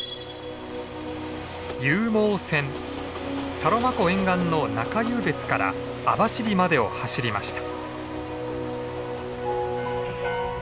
サロマ湖沿岸の中湧別から網走までを走りました。